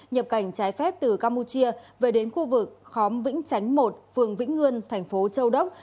nhập cảnh trái phép từ campuchia về đến khu vực khóm vĩnh chánh một phường vĩnh ngươn thành phố châu đốc